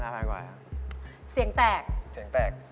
เสียงแตก